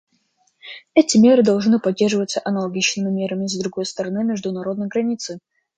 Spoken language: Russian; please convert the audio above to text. Эти меры должны поддерживаться аналогичными мерами с другой стороны международной границы.